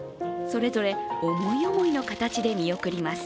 それぞれ思い思いの形で見送ります。